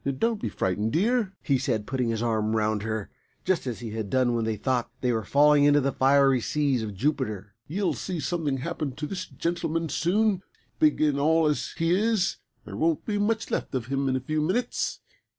"Don't be frightened, dear!" he said, putting his arm round her, just as he had done when they thought they were falling into the fiery seas of Jupiter. "You'll see something happen to this gentleman soon. Big and all as he is there won't be much left of him in a few minutes.